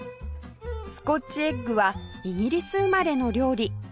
スコッチエッグはイギリス生まれの料理